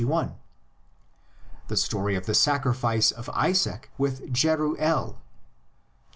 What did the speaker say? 4, 9, 21), the story of the sacrifice of Isaac with Jeruel (xxii.